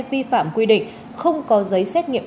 vi phạm quy định không có giấy xét nghiệm